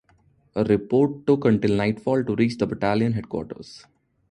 A report took until nightfall to reach the battalion headquarters.